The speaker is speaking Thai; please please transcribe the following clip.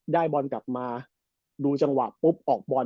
บอลกลับมาดูจังหวะปุ๊บออกบอล